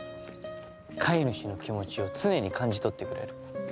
飼い主の気持ちを常に感じ取ってくれる。